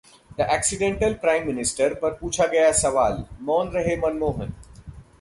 The Accidental Prime Minister पर पूछा गया सवाल, मौन रहे मनमोहन